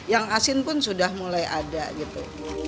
yang asin pun sudah mulai ada gitu